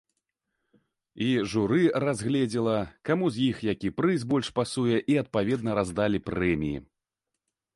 І журы разгледзела, каму з іх які прыз больш пасуе і адпаведна раздалі прэміі.